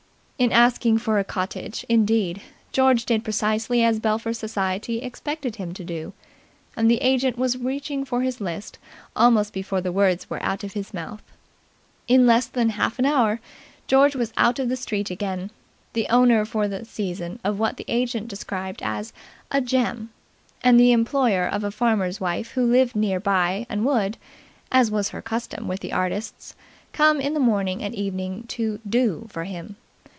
In asking for a cottage, indeed, George did precisely as Belpher society expected him to do; and the agent was reaching for his list almost before the words were out of his mouth. In less than half an hour George was out in the street again, the owner for the season of what the agent described as a "gem" and the employer of a farmer's wife who lived near by and would, as was her custom with artists, come in the morning and evening to "do" for him.